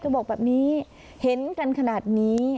บอกแบบนี้เห็นกันขนาดนี้